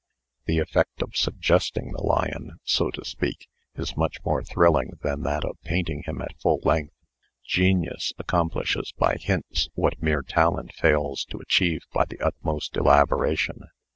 The effect of suggesting the lion, so to speak, is much more thrilling than that of painting him at full length. Genius accomplishes by hints what mere talent fails to achieve by the utmost elaboration.